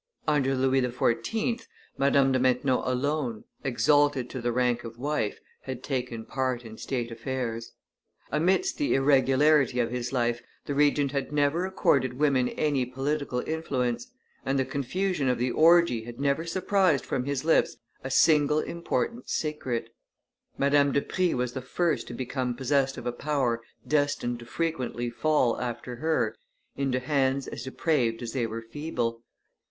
Under Louis XIV. Madame de Maintenon alone, exalted to the rank of wife, had taken part in state affairs; amidst the irregularity of his life the Regent had never accorded women any political influence, and the confusion of the orgie had never surprised from his lips a single important secret; Madame de Prie was the first to become possessed of a power destined to frequently fall, after her, into hands as depraved as they were feeble.